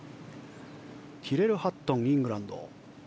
ティレル・ハットンイングランド。